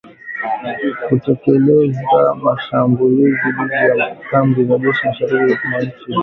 kutekeleza mashambulizi dhidi ya kambi za jeshi mashariki mwa nchi hiyo